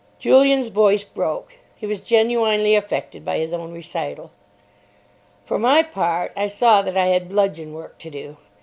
Julian's voice broke. He was genuinely affected by his own recital. For my part, I saw that I had bludgeon work to do.